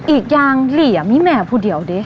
อีกอย่างหลีไม่มีแม่พูดเดียว